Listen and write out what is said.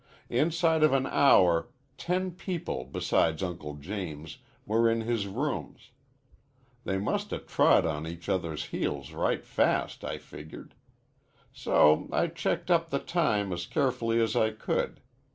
Inside of an hour ten people beside Uncle James were in his rooms. They must 'a' trod on each other's heels right fast, I figured. So I checked up the time as carefully as I could.